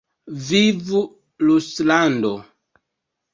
Vivu Ruslando!